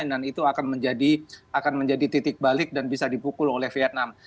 dan itu akan menjadi titik balik dan bisa dipukul oleh vietnam